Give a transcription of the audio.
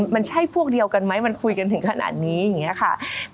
มันใช่พวกเดียวกันไหมมันคุยกันถึงขนาดนี้อย่างนี้ค่ะ